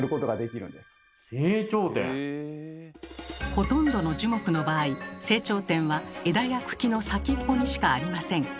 ほとんどの樹木の場合成長点は枝や茎の先っぽにしかありません。